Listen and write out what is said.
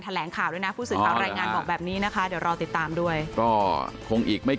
โดยกับผมไม่ได้มีส่วนสรรพนุนในการกระทำของบุตรชายแต่อย่างใด